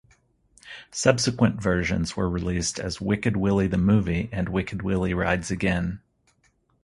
Subsequent versions were released as Wicked Willie The Movie and Wicked Willie Rides Again.